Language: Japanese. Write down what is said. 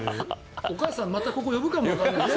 お母さん、またここに呼ぶかもわからないよね。